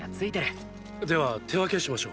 では手分けしましょう。